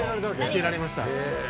教えられました。